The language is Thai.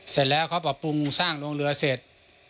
เสร็จแล้วเขาปรับปรุงสร้างโรงเรือเสร็จ